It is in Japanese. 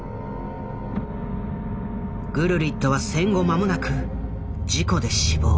グルリットは戦後間もなく事故で死亡。